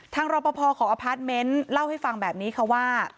รอปภของอพาร์ทเมนต์เล่าให้ฟังแบบนี้ค่ะว่า